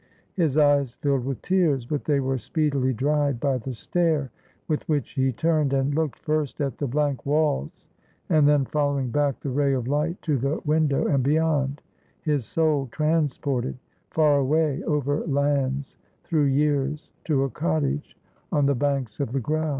His eyes filled with tears; but they were speedily dried by the stare with which he turned and looked first at the blank walls, and then, following back the ray of light, to the window and beyond; his soul transported far away over lands, through years, to a cottage on the banks of the Grau.